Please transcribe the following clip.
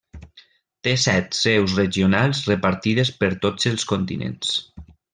Té set seus regionals repartides per tots els continents.